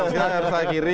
saya harus akhiri